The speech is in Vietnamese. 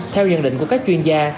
theo nhận định của các chuyên gia